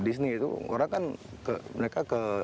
disney itu orang kan mereka